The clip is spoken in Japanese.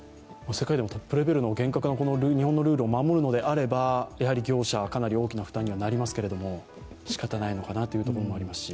世界でもトップレベルの厳格な日本のルールを守るのであれば業者、かなり大きな負担にはなりますがしかたないのかなと思いますし。